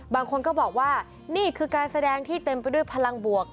บางคนก็บอกว่านี่คือการแสดงที่เต็มไปด้วยพลังบวก